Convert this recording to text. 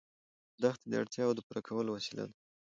دښتې د اړتیاوو د پوره کولو وسیله ده.